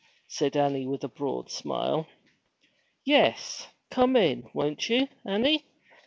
said Annie with a broad smile. 'Yes; come in, won't you, Annie?'